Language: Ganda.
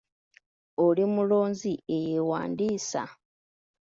Oli mulonzi eyeewandiisa?